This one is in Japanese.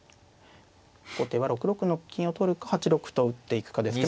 後手は６六の金を取るか８六歩と打っていくかですけどまあ